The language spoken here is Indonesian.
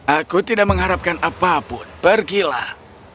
aku tidak mengharapkan apapun pergilah